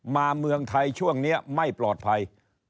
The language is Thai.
เมืองไทยช่วงนี้ไม่ปลอดภัย